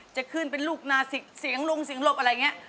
จะขึ้นเป็นลูกนาสิกเสียงลุงเสียงหลบอะไรอย่างนี้